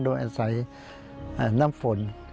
โดยอาศัยน้ำฝน